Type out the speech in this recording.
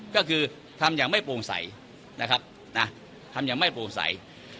ก็คือทำอย่างไม่โปร่งใสนะครับนะทำอย่างไม่โปร่งใส